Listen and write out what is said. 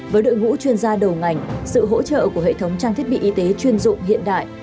với đội ngũ chuyên gia đầu ngành sự hỗ trợ của hệ thống trang thiết bị y tế chuyên dụng hiện đại